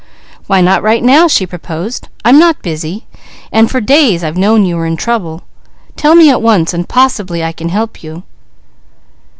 "Why not right now?" she proposed. "I'm not busy and for days I've known you were in trouble. Tell me at once, and possibly I can help you."